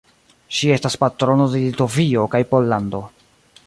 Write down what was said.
Ŝi estas patrono de Litovio kaj Pollando.